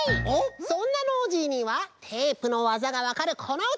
そんなノージーにはテープのわざがわかるこのうた！